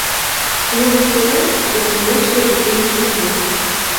— Клубыштыжат ярнымешке вучен шинчет.